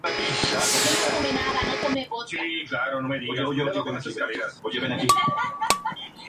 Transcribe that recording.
En la actualidad, es propiedad municipal.